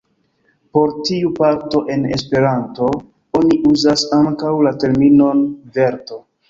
Por tiu parto en Esperanto oni uzas ankaŭ la terminon "verto".